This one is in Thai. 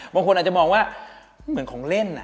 บางคนอาจจะมองว่าเหมือนของเล่น